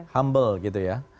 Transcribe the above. humble gitu ya